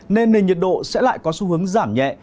nên nền nhiệt độ sẽ lại có xu hướng giảm nhẹ